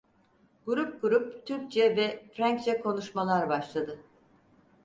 Grup grup Türkçe ve Frenkçe konuşmalar başladı.